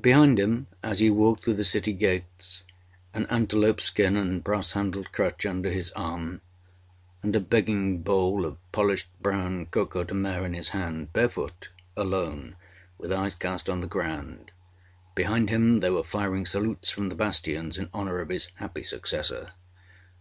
Behind him, as he walked through the city gates, an antelope skin and brass handled crutch under his arm, and a begging bowl of polished brown coco de mer in his hand, barefoot, alone, with eyes cast on the ground behind him they were firing salutes from the bastions in honour of his happy successor.